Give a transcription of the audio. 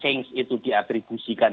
change itu diatribusikan